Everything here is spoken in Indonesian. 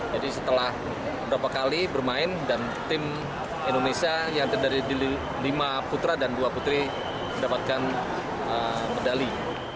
jadi setelah beberapa kali bermain dan tim indonesia yang terdiri di lima putra dan dua putri mendapatkan medali